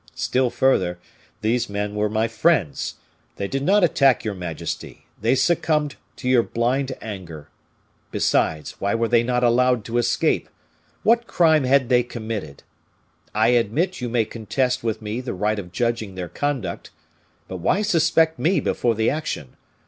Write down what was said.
Still further, these men were my friends. They did not attack your majesty, they succumbed to your blind anger. Besides, why were they not allowed to escape? What crime had they committed? I admit you may contest with me the right of judging their conduct. But why suspect me before the action?